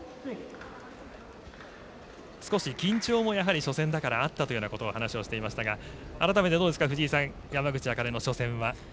少し緊張も、初戦だからあったというようなことも話していましたが改めてどうですか山口茜の初戦は。